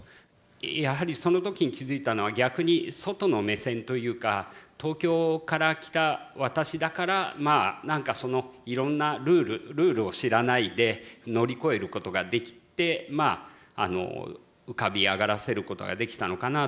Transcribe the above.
やはりその時に気付いたのは逆に外の目線というか東京から来た私だから何かそのいろんなルールルールを知らないで乗り越えることができてまああの浮かび上がらせることができたのかなと。